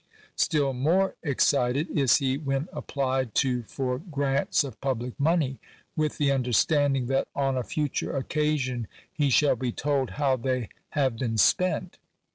Still more excited is he when applied to for grants of public money, with the understanding that on a future occasion he shall be told how they have been spent.